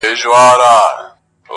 زه چي وګورمه تاته عجیبه سم.